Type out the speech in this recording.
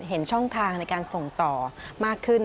เห็นช่องทางในการส่งต่อมากขึ้น